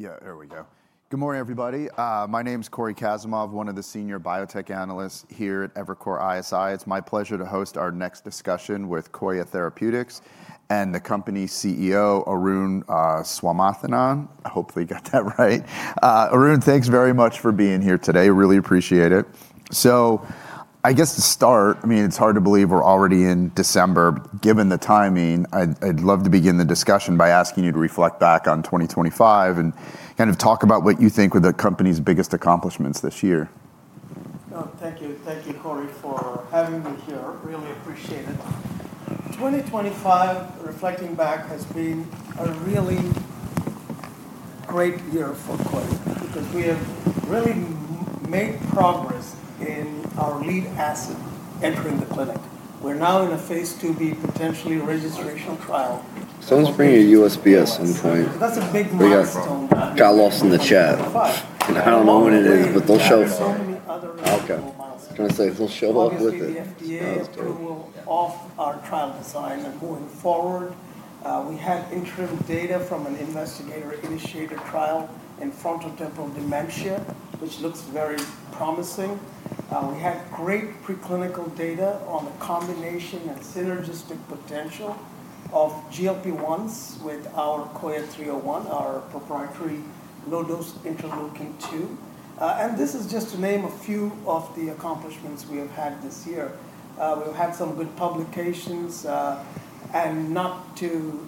Yeah, there we go. Good morning, everybody. My name is Cory Kasimov, one of the senior biotech analysts here at Evercore ISI. It's my pleasure to host our next discussion with Coya Therapeutics and the company's CEO, Arun Swaminathan. I hope I got that right. Arun, thanks very much for being here today. Really appreciate it. I guess to start, I mean, it's hard to believe we're already in December. Given the timing, I'd love to begin the discussion by asking you to reflect back on 2025 and kind of talk about what you think were the company's biggest accomplishments this year. Thank you. Thank you, Cory, for having me here. Really appreciate it. 2025, reflecting back, has been a really great year for Coya because we have really made progress in our lead asset entering the clinic. We're now in a phase to be potentially registration trial. Let's bring your USB at some point. That's a big milestone. Got lost in the chat. I don't know when it is, but they'll show. Many other milestones. Can I say they'll show up with it. The FDA is doing all of our trial design and moving forward. We had interim data from an investigator-initiated trial in frontotemporal dementia, which looks very promising. We had great preclinical data on the combination and synergistic potential of GLP-1s with our COYA 301, our proprietary low-dose interleukin-2. This is just to name a few of the accomplishments we have had this year. We've had some good publications. Not to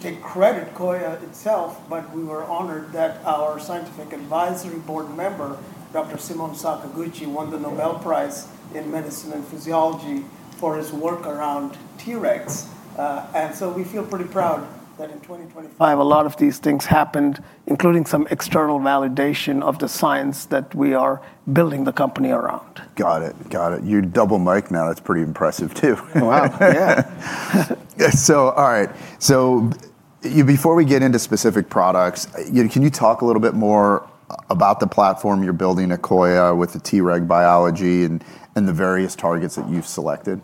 take credit for itself, but we were honored that our scientific advisory board member, Dr. Shimon Sakaguchi, won the Nobel Prize in Medicine and Physiology for his work around Tregs. We feel pretty proud that in 2025, a lot of these things happened, including some external validation of the science that we are building the company around. Got it. Got it. Your double mic now, that's pretty impressive too. Wow. Yeah. All right. Before we get into specific products, can you talk a little bit more about the platform you're building at Coya with the Treg biology and the various targets that you've selected?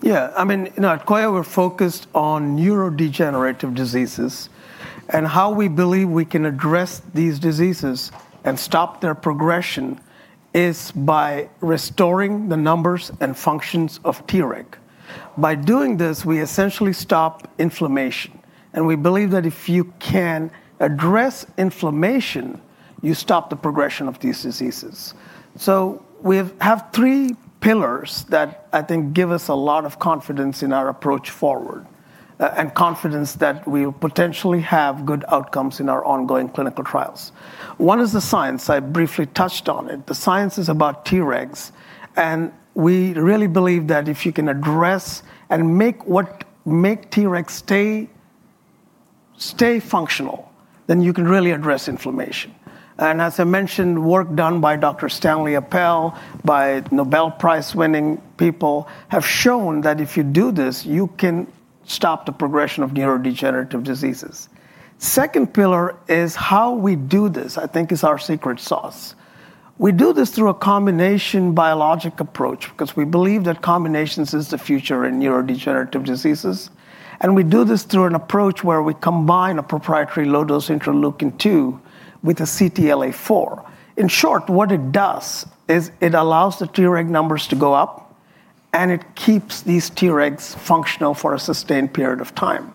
Yeah. I mean, at Coya, we're focused on neurodegenerative diseases. How we believe we can address these diseases and stop their progression is by restoring the numbers and functions of Tregs. By doing this, we essentially stop inflammation. We believe that if you can address inflammation, you stop the progression of these diseases. We have three pillars that I think give us a lot of confidence in our approach forward and confidence that we will potentially have good outcomes in our ongoing clinical trials. One is the science. I briefly touched on it. The science is about Tregs. We really believe that if you can address and make Tregs stay functional, then you can really address inflammation. As I mentioned, work done by Dr. Stanley Appel, by Nobel Prize-winning people have shown that if you do this, you can stop the progression of neurodegenerative diseases. Second pillar is how we do this, I think, is our secret sauce. We do this through a combination biologic approach because we believe that combinations are the future in neurodegenerative diseases. We do this through an approach where we combine a proprietary low-dose interleukin-2 with a CTLA-4. In short, what it does is it allows the Treg numbers to go up, and it keeps these Tregs functional for a sustained period of time.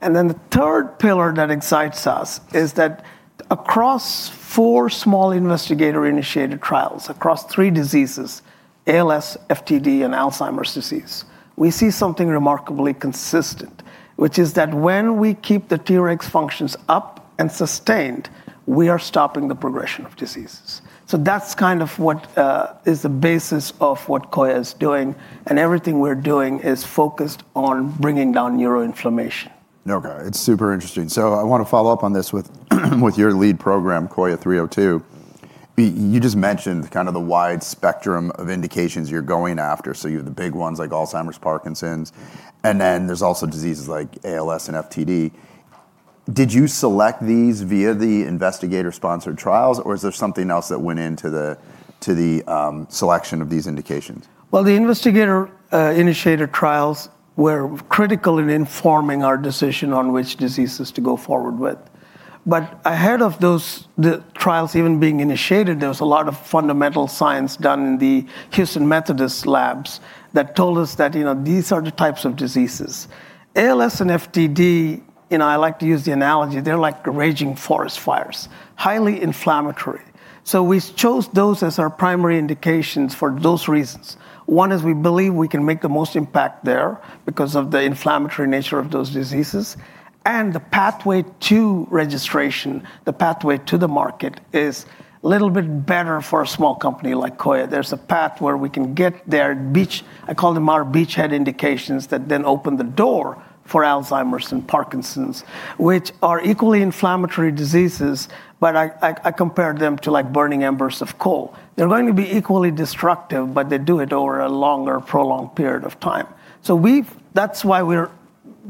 The third pillar that excites us is that across four small investigator-initiated trials across three diseases, ALS, FTD, and Alzheimer's disease, we see something remarkably consistent, which is that when we keep the Treg functions up and sustained, we are stopping the progression of diseases. That is kind of what is the basis of what Coya is doing. Everything we're doing is focused on bringing down neuroinflammation. Okay. It's super interesting. I want to follow up on this with your lead program, COYA 302. You just mentioned kind of the wide spectrum of indications you're going after. You have the big ones like Alzheimer's, Parkinson's, and then there's also diseases like ALS and FTD. Did you select these via the investigator-sponsored trials, or is there something else that went into the selection of these indications? The investigator-initiated trials were critical in informing our decision on which diseases to go forward with. Ahead of those trials even being initiated, there was a lot of fundamental science done in the Houston Methodist labs that told us that these are the types of diseases. ALS and FTD, I like to use the analogy, they're like raging forest fires, highly inflammatory. We chose those as our primary indications for those reasons. One is we believe we can make the most impact there because of the inflammatory nature of those diseases. The pathway to registration, the pathway to the market, is a little bit better for a small company like Coya. There's a path where we can get their beach—I call them our beachhead indications that then open the door for Alzheimer's and Parkinson's, which are equally inflammatory diseases, but I compare them to burning embers of coal. They're going to be equally destructive, but they do it over a longer, prolonged period of time. That's why we're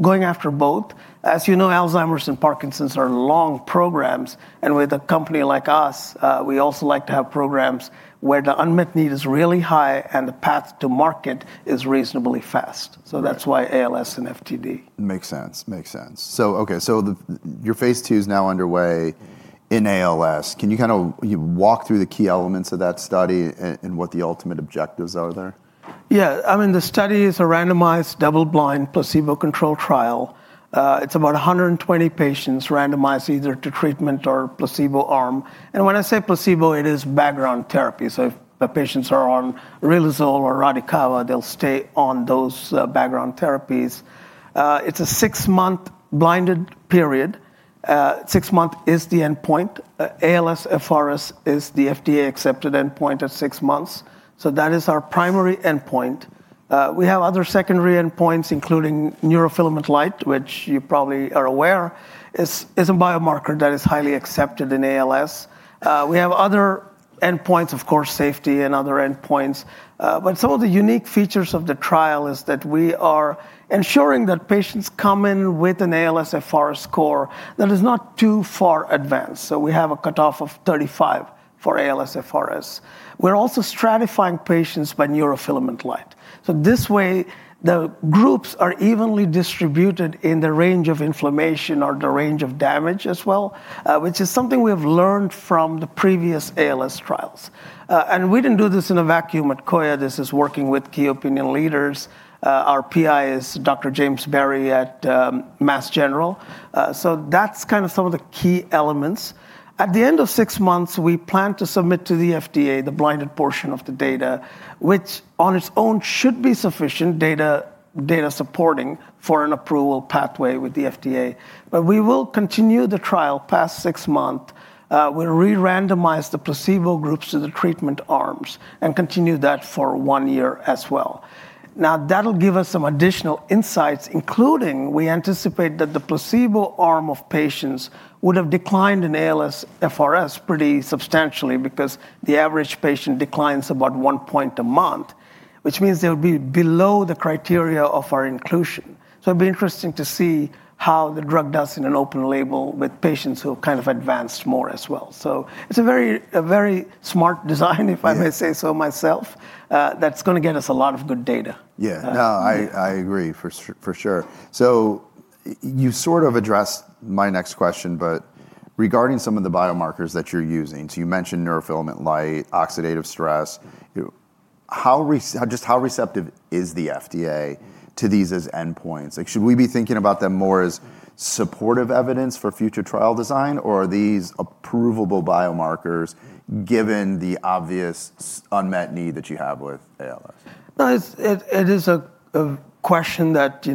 going after both. As you know, Alzheimer's and Parkinson's are long programs. With a company like us, we also like to have programs where the unmet need is really high and the path to market is reasonably fast. That's why ALS and FTD. Makes sense. Makes sense. Okay. Your phase two is now underway in ALS. Can you kind of walk through the key elements of that study and what the ultimate objectives are there? Yeah. I mean, the study is a randomized double-blind placebo-controlled trial. It's about 120 patients randomized either to treatment or placebo arm. When I say placebo, it is background therapy. If the patients are on Riluzole or Radicava, they'll stay on those background therapies. It's a six-month blinded period. Six months is the endpoint. ALSFRS is the FDA-accepted endpoint at six months. That is our primary endpoint. We have other secondary endpoints, including neurofilament light, which you probably are aware, is a biomarker that is highly accepted in ALS. We have other endpoints, of course, safety and other endpoints. Some of the unique features of the trial is that we are ensuring that patients come in with an ALSFRS score that is not too far advanced. We have a cutoff of 35 for ALSFRS. We're also stratifying patients by neurofilament light. This way, the groups are evenly distributed in the range of inflammation or the range of damage as well, which is something we have learned from the previous ALS trials. We did not do this in a vacuum at Coya. This is working with key opinion leaders. Our PI is Dr. James Berry at Massachusetts General Hospital. That is kind of some of the key elements. At the end of six months, we plan to submit to the FDA the blinded portion of the data, which on its own should be sufficient data supporting for an approval pathway with the FDA. We will continue the trial past six months. We re-randomize the placebo groups to the treatment arms and continue that for one year as well. Now, that'll give us some additional insights, including we anticipate that the placebo arm of patients would have declined in ALSFRS pretty substantially because the average patient declines about one point a month, which means they'll be below the criteria of our inclusion. It will be interesting to see how the drug does in an open label with patients who have kind of advanced more as well. It is a very smart design, if I may say so myself, that's going to get us a lot of good data. Yeah. No, I agree for sure. You sort of addressed my next question, but regarding some of the biomarkers that you're using, you mentioned neurofilament light, oxidative stress. Just how receptive is the FDA to these as endpoints? Should we be thinking about them more as supportive evidence for future trial design, or are these approvable biomarkers given the obvious unmet need that you have with ALS? No, it is a question that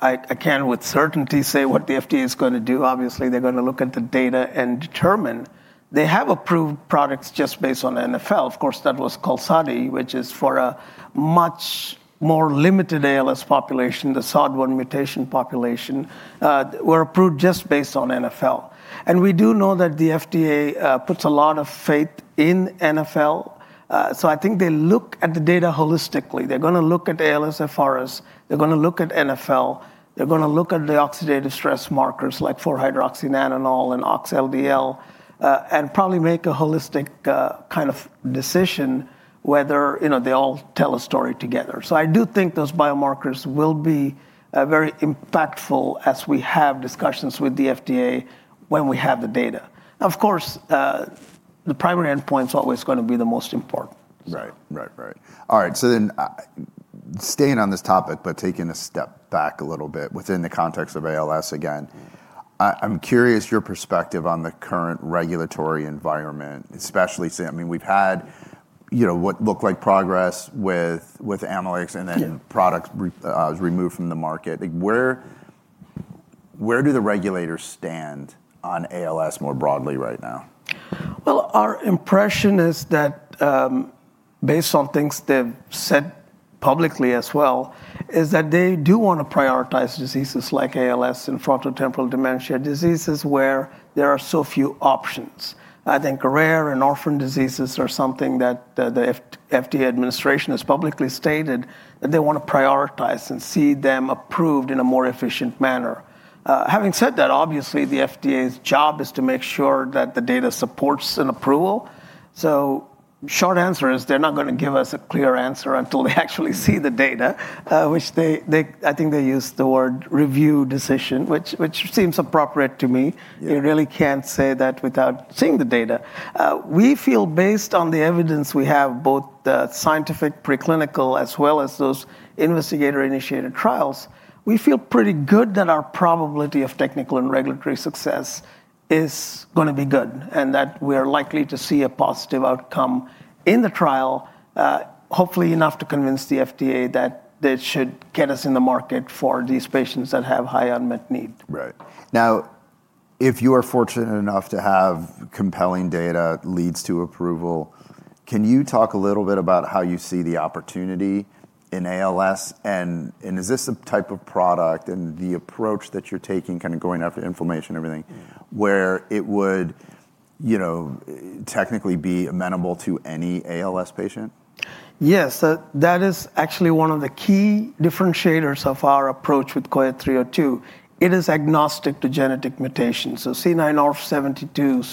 I can't with certainty say what the FDA is going to do. Obviously, they're going to look at the data and determine. They have approved products just based on NfL. Of course, that was QALSODY, which is for a much more limited ALS population, the SOD1 mutation population, were approved just based on NfL. We do know that the FDA puts a lot of faith in NfL. I think they look at the data holistically. They're going to look at ALSFRS. They're going to look at NfL. They're going to look at the oxidative stress markers like 4-Hydroxynonenal and oxLDL and probably make a holistic kind of decision whether they all tell a story together. I do think those biomarkers will be very impactful as we have discussions with the FDA when we have the data. Of course, the primary endpoint is always going to be the most important. Right. Right. Right. All right. Staying on this topic, but taking a step back a little bit within the context of ALS again, I'm curious your perspective on the current regulatory environment, especially saying, I mean, we've had what looked like progress with analytics and then products removed from the market. Where do the regulators stand on ALS more broadly right now? Our impression is that based on things they've said publicly as well, is that they do want to prioritize diseases like ALS and frontotemporal dementia, diseases where there are so few options. I think rare and orphan diseases are something that the FDA administration has publicly stated that they want to prioritize and see them approved in a more efficient manner. Having said that, obviously, the FDA's job is to make sure that the data supports an approval. Short answer is they're not going to give us a clear answer until they actually see the data, which I think they use the word review decision, which seems appropriate to me. They really can't say that without seeing the data. We feel based on the evidence we have, both the scientific preclinical as well as those investigator-initiated trials, we feel pretty good that our probability of technical and regulatory success is going to be good and that we are likely to see a positive outcome in the trial, hopefully enough to convince the FDA that they should get us in the market for these patients that have high unmet need. Right. Now, if you are fortunate enough to have compelling data that leads to approval, can you talk a little bit about how you see the opportunity in ALS? Is this the type of product and the approach that you're taking, kind of going after inflammation and everything, where it would technically be amenable to any ALS patient? Yes. That is actually one of the key differentiators of our approach with COYA 302. It is agnostic to genetic mutations. So C9orf72,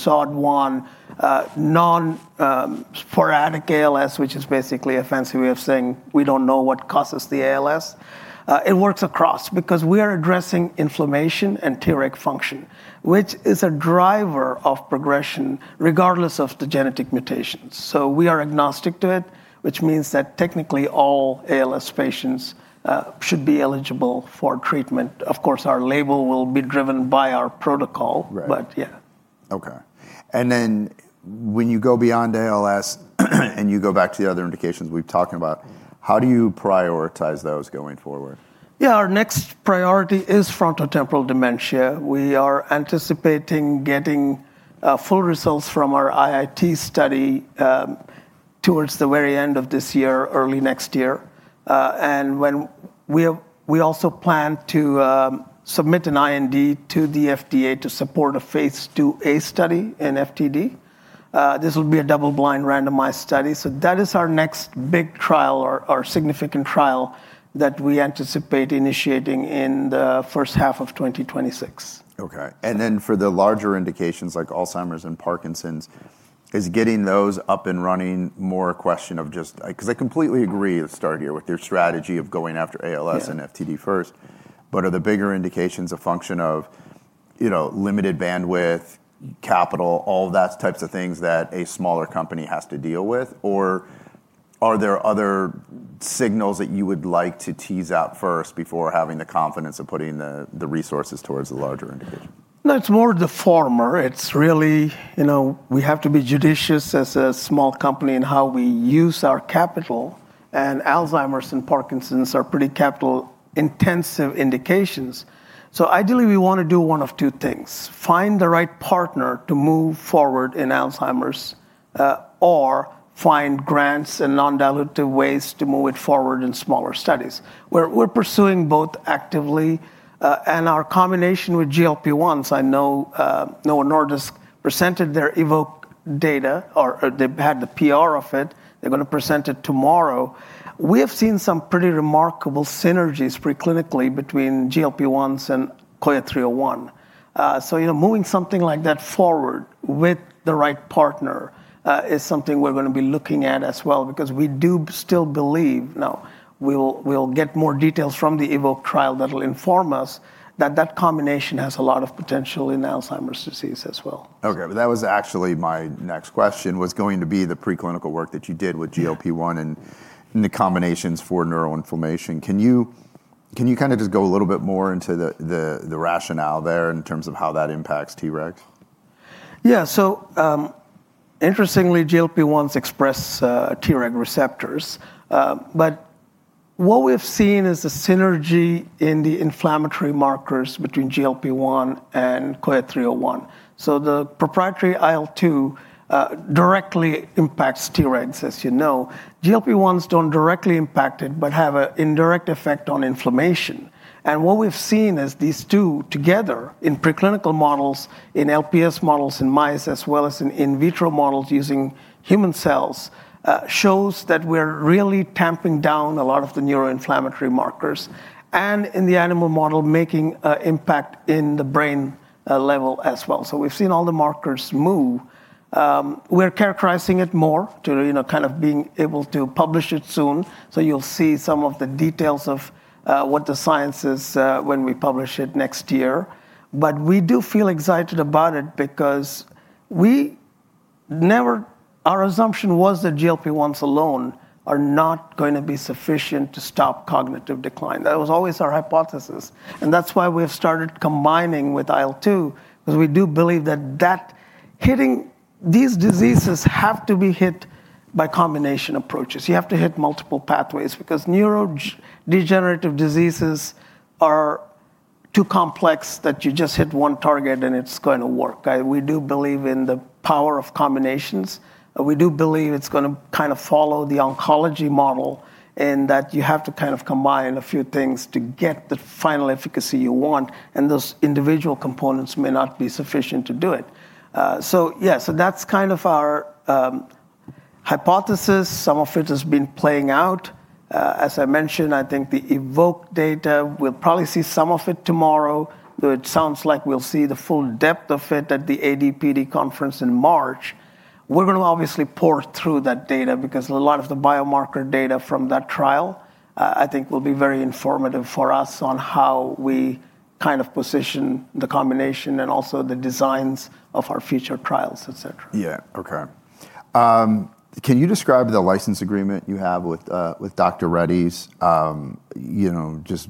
SOD1, non-sporadic ALS, which is basically a fancy way of saying we don't know what causes the ALS. It works across because we are addressing inflammation and Treg function, which is a driver of progression regardless of the genetic mutations. We are agnostic to it, which means that technically all ALS patients should be eligible for treatment. Of course, our label will be driven by our protocol, but yeah. Okay. When you go beyond ALS and you go back to the other indications we've talked about, how do you prioritize those going forward? Yeah. Our next priority is frontotemporal dementia. We are anticipating getting full results from our IIT study towards the very end of this year, early next year. We also plan to submit an IND to the FDA to support a phase II-A study in FTD. This will be a double-blind randomized study. That is our next big trial or significant trial that we anticipate initiating in the first half of 2026. Okay. For the larger indications like Alzheimer's and Parkinson's, is getting those up and running more a question of just because I completely agree to start here with your strategy of going after ALS and FTD first, but are the bigger indications a function of limited bandwidth, capital, all of those types of things that a smaller company has to deal with? Are there other signals that you would like to tease out first before having the confidence of putting the resources towards the larger indication? No, it's more the former. It's really we have to be judicious as a small company in how we use our capital. Alzheimer's and Parkinson's are pretty capital-intensive indications. Ideally, we want to do one of two things: find the right partner to move forward in Alzheimer's or find grants and non-dilutive ways to move it forward in smaller studies. We're pursuing both actively. Our combination with GLP-1s, I know Novo Nordisk presented their Evoke data, or they've had the PR of it. They're going to present it tomorrow. We have seen some pretty remarkable synergies preclinically between GLP-1s and COYA 301. Moving something like that forward with the right partner is something we're going to be looking at as well because we do still believe now we'll get more details from the Evoke trial that'll inform us that that combination has a lot of potential in Alzheimer's disease as well. Okay. That was actually my next question was going to be the preclinical work that you did with GLP-1 and the combinations for neuroinflammation. Can you kind of just go a little bit more into the rationale there in terms of how that impacts Treg? Yeah. Interestingly, GLP-1s express Treg receptors. What we've seen is the synergy in the inflammatory markers between GLP-1 and COYA 301. The proprietary IL-2 directly impacts Tregs, as you know. GLP-1s do not directly impact it, but have an indirect effect on inflammation. What we've seen is these two together in preclinical models, in LPS models in mice, as well as in in vitro models using human cells, shows that we are really tamping down a lot of the neuroinflammatory markers and in the animal model, making an impact in the brain level as well. We have seen all the markers move. We are characterizing it more to kind of being able to publish it soon. You will see some of the details of what the science is when we publish it next year. We do feel excited about it because our assumption was that GLP-1s alone are not going to be sufficient to stop cognitive decline. That was always our hypothesis. That is why we have started combining with IL-2 because we do believe that these diseases have to be hit by combination approaches. You have to hit multiple pathways because neurodegenerative diseases are too complex that you just hit one target and it is going to work. We do believe in the power of combinations. We do believe it is going to kind of follow the oncology model in that you have to kind of combine a few things to get the final efficacy you want. Those individual components may not be sufficient to do it. Yeah, that is kind of our hypothesis. Some of it has been playing out. As I mentioned, I think the Evoke data, we'll probably see some of it tomorrow. It sounds like we'll see the full depth of it at the AD/PD Conference in March. We're going to obviously pour through that data because a lot of the biomarker data from that trial, I think, will be very informative for us on how we kind of position the combination and also the designs of our future trials, etc. Yeah. Okay. Can you describe the license agreement you have with Dr. Reddy's, just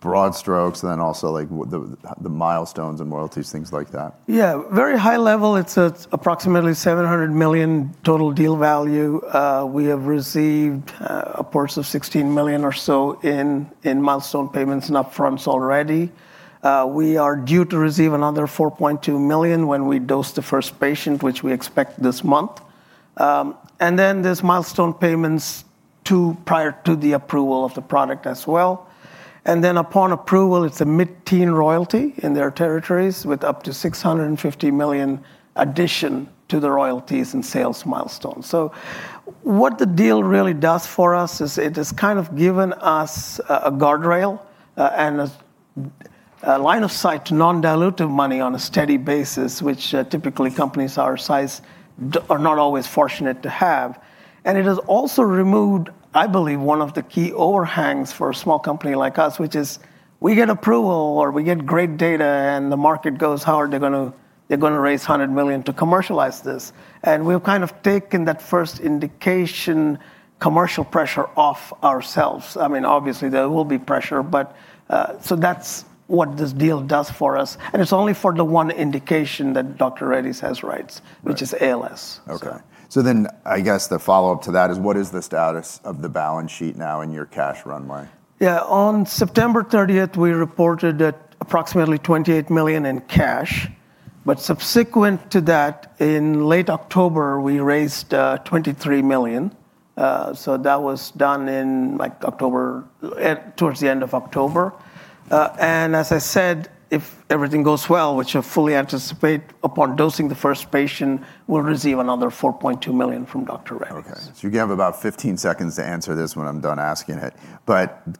broad strokes, and then also the milestones and royalties, things like that? Yeah. Very high level, it's approximately $700 million total deal value. We have received a portion of $16 million or so in milestone payments and upfronts already. We are due to receive another $4.2 million when we dose the first patient, which we expect this month. There are milestone payments prior to the approval of the product as well. Upon approval, it's a mid-teen royalty in their territories with up to $650 million addition to the royalties and sales milestones. What the deal really does for us is it has kind of given us a guardrail and a line of sight to non-dilutive money on a steady basis, which typically companies our size are not always fortunate to have. It has also removed, I believe, one of the key overhangs for a small company like us, which is we get approval or we get great data and the market goes, how are they going to raise $100 million to commercialize this? We've kind of taken that first indication commercial pressure off ourselves. I mean, obviously, there will be pressure, but that's what this deal does for us. It's only for the one indication that Dr. Reddy's has rights, which is ALS. Okay. I guess the follow-up to that is what is the status of the balance sheet now in your cash runway? Yeah. On September 30, we reported approximately $28 million in cash. Subsequent to that, in late October, we raised $23 million. That was done in October towards the end of October. As I said, if everything goes well, which I fully anticipate upon dosing the first patient, we'll receive another $4.2 million from Dr. Reddy's. Okay. You gave about 15 seconds to answer this when I'm done asking it.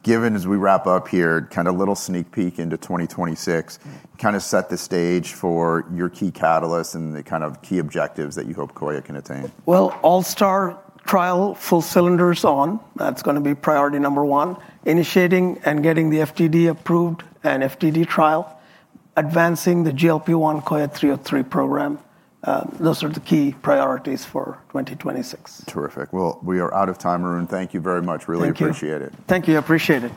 Given as we wrap up here, kind of a little sneak peek into 2026, kind of set the stage for your key catalysts and the kind of key objectives that you hope Coya can attain? ALSTARS trial, full cylinders on. That's going to be priority number one. Initiating and getting the FTD approved and FTD trial, advancing the GLP-1 COYA 303 program. Those are the key priorities for 2026. Terrific. We are out of time, Arun. Thank you very much. Really appreciate it. Thank you. I appreciate it.